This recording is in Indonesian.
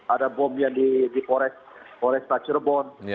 ada bom yang dipores oleh staturebond ya